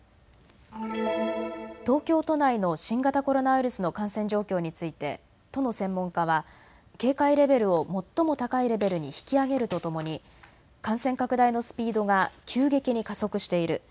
東京都内の新型コロナウイルスの感染状況について都の専門家は警戒レベルを最も高いレベルに引き上げるとともに、感染拡大のスピードが急激に加速している。